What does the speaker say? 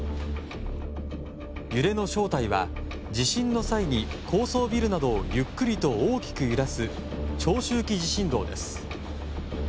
揺れの正体は地震の際に高層ビルなどをゆっくりと大きく揺らす長周期地震動です。